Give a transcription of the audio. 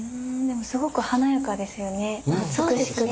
でもすごく華やかですよね美しくて。